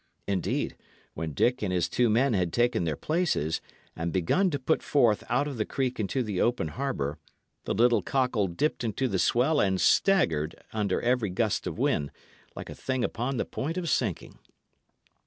Indeed, when Dick and his two men had taken their places, and begun to put forth out of the creek into the open harbour, the little cockle dipped into the swell and staggered under every gust of wind, like a thing upon the point of sinking.